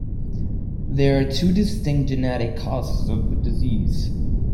There are two distinct genetic causes of the disease.